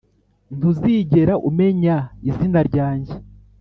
ntuzigera umenya izina ryanjye.